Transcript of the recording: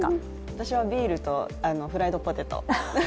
私はビールとフライドポテト。